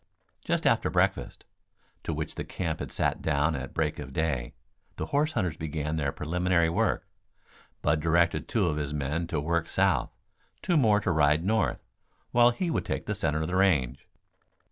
Just after breakfast, to which the camp had sat down at break of day, the horse hunters began their preliminary work. Bud directed two of his men to work south, two more to ride north, while he would take the center of the range.